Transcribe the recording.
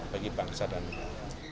bagi bangsa dan negara